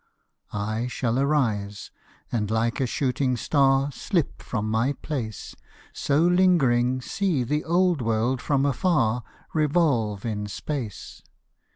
I shall arise, and like a shooting star Slip from my place; So lingering see the old world from afar Revolve in space.